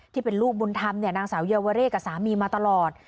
ที่เป็นลูกบุญธรรมนางสาวเยาวเร่กับสามีมาตลอด